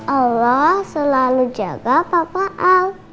allah selalu jaga papa aku